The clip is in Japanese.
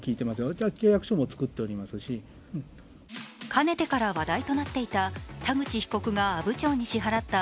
かねてから話題となっていた田口被告が阿武町に支払った